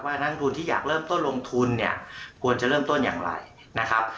นักลงทุนที่อยากเริ่มต้นลงทุนเนี่ยควรจะเริ่มต้นอย่างไรนะครับ